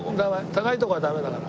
高いとこはダメだから。